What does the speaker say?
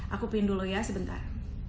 aku pin dulu ya sebentar